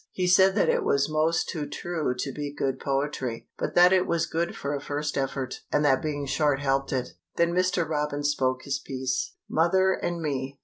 He said that it was 'most too true to be good poetry, but that it was good for a first effort, and that being short helped it. Then Mr. Robin spoke his piece: MOTHER AND ME.